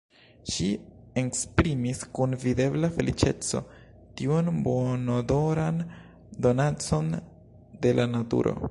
Ŝi enspiris kun videbla feliĉeco tiun bonodoran donacon de la naturo.